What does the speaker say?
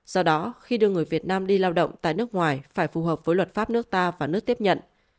do đó khi đưa người việt nam đi lao động tại nước ngoài phải phù hợp với luật pháp nước ta và nước tiếp nhận